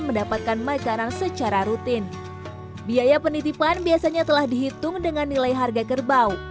mendapatkan makanan secara rutin biaya penitipan biasanya telah dihitung dengan nilai harga kerbau